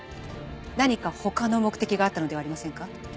何か他の目的があったのではありませんか？